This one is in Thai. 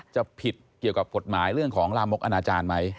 จะผิดเกี่ยวกับกฎหมายเรื่องของลามกอนาจารย์ไหม